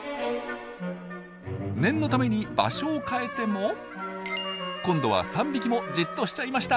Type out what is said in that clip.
念のために場所を変えても今度は３匹もじっとしちゃいました！